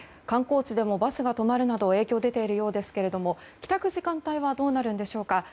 観光地でもバスが止まるなど影響が出ているようですが帰宅時間帯はどうなるんでしょうか。